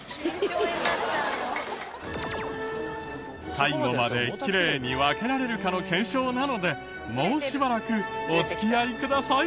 最後まできれいに分けられるかの検証なのでもうしばらくお付き合いください。